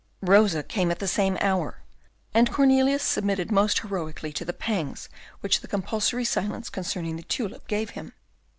Rosa came at the same hour, and Cornelius submitted most heroically to the pangs which the compulsory silence concerning the tulip gave him.